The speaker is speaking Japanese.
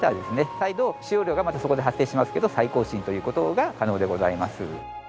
再度使用料がまたそこで発生しますけど再更新という事が可能でございます。